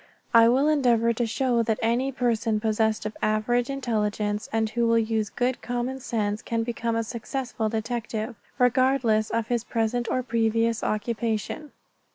I will endeavor to show that any person possessed of average intelligence, and who will use good common sense, can become a successful detective, regardless of his present or previous occupation.